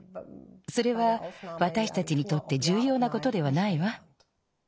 それはわたしたちにとってじゅうようなことではないわ。